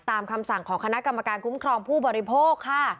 คำสั่งของคณะกรรมการคุ้มครองผู้บริโภคค่ะ